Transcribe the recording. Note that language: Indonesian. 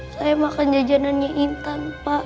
saya makan jajanan yang intan pak